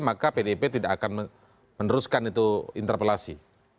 maka pdip tidak akan meneruskan itu interpelasi